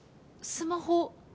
スマホ？